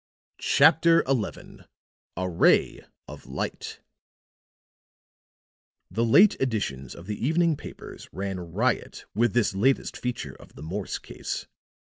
CHAPTER XI A RAY OF LIGHT The late editions of the evening papers ran riot with this latest feature of the Morse case.